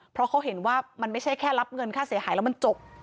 เพราะเขาเห็นว่ามันไม่ใช่แค่รับเงินค่าเสียหายแล้วมันจบ